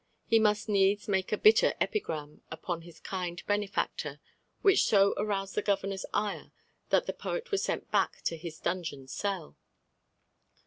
He must needs make a bitter epigram upon his kind benefactor, which so aroused the governor's ire that the poet was sent back to his dungeon cell.